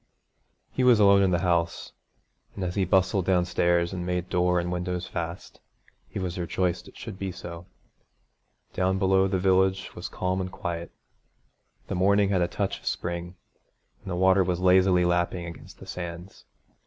He was alone in the house, and as he bustled downstairs and made door and windows fast, he was rejoiced it should be so. Down below the village was calm and quiet. The morning had a touch of spring, and the water was lazily lapping against the sands.